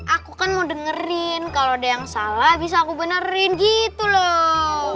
aku kan mau dengerin kalau ada yang salah bisa aku benerin gitu loh